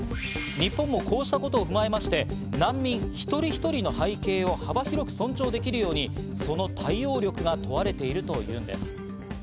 日本もこうしたことを踏まえまして、難民一人一人の背景を幅広く尊重できるように、その対応力が問われているというんです。